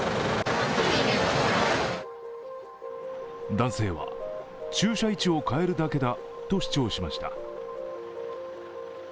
男性は、駐車位置を変えるだけだと主張しました。